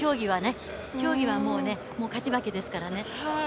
競技はもう勝ち負けですからね。